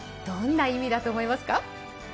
どんな意味だと思いますか。